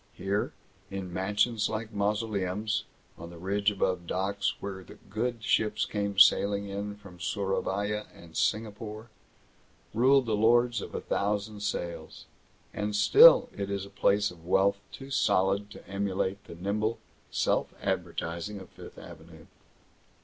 Here, in mansions like mausoleums, on the ridge above docks where the good ships came sailing in from Sourabaya and Singapore, ruled the lords of a thousand sails. And still is it a place of wealth too solid to emulate the nimble self advertising of Fifth Avenue.